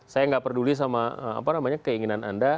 saya nggak peduli sama keinginan anda